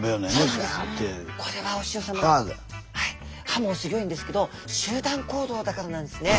歯もすギョいんですけど集団行動だからなんですね。